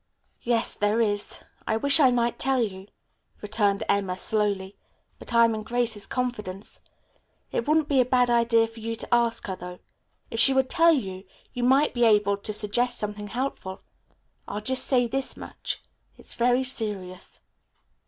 "Yes, there is. I wish I might tell you," returned Emma slowly, "but I am in Grace's confidence. It wouldn't be a bad idea for you to ask her, though. If she would tell you, you might be able to suggest something helpful. I'll just say this much. It's very serious."